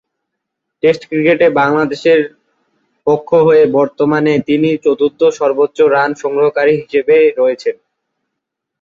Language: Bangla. টেস্ট ক্রিকেটে বাংলাদেশের পক্ষ হয়ে বর্তমানে তিনি চতুর্থ সর্বোচ্চ রান সংগ্রহকারী হিসেবে রয়েছেন।